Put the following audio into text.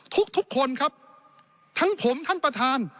ทุกคนครับทั้งผมท่านประธาน